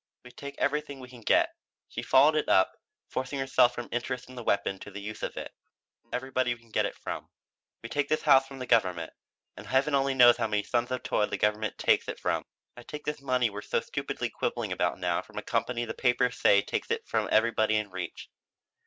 "We take everything we can get," she followed it up, forcing herself from interest in the weapon to the use of it, "from everybody we can get it from. We take this house from the government and heaven only knows how many sons of toil the government takes it from. I take this money we're so stupidly quibbling about now from a company the papers say takes it from everybody in reach.